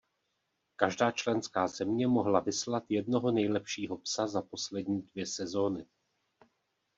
Každá členská země mohla vyslat jednoho nejlepšího psa za poslední dvě sezóny.